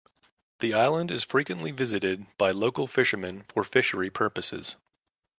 The island is frequently visited by local fishermen for fishery purposes.